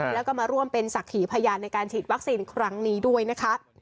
แล้วก็มาร่วมเป็นศักดิ์ขีพยานในการฉีดวัคซีนครั้งนี้ด้วยนะคะ